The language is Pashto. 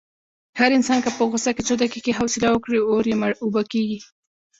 هر انسان که په غوسه کې څو دقیقې حوصله وکړي، اور یې اوبه کېږي.